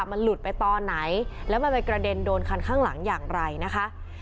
มันหลุดไปตอนไหนแล้วมันไปกระเด็นโดนคันข้างหลังอย่างไรนะคะ